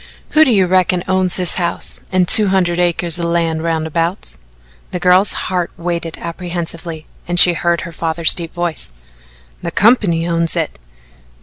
"Who do you reckon owns this house and two hundred acres o' land roundabouts?" The girl's heart waited apprehensively and she heard her father's deep voice. "The company owns it."